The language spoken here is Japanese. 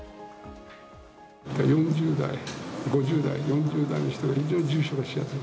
４０代、５０代の人が非常に重症化しやすい。